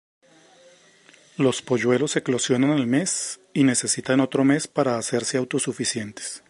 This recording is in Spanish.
Los polluelos eclosionan al mes y necesitan otro mes para hacerse autosuficientes.